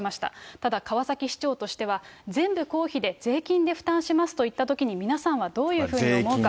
ただ、川崎市長としては、全部公費で税金で負担しますといったときに、皆さんはどういうふうに思うか。